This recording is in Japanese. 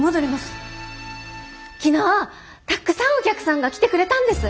昨日たくさんお客さんが来てくれたんです。